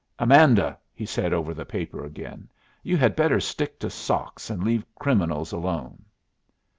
"Amanda," he said, over the paper again, "you had better stick to socks, and leave criminals alone."